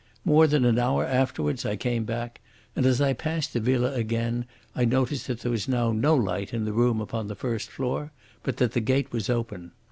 More than an hour afterwards I came back, and as I passed the villa again I noticed that there was now no light in the room upon the first floor, but that the gate was open.